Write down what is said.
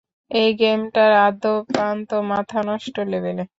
এই গেমটার আদ্যোপান্ত মাথা নষ্ট লেভেলের!